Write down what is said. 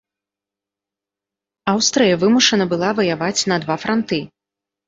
Аўстрыя вымушана была ваяваць на два франты.